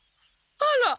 あら！